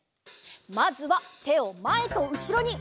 まずはてをまえとうしろに。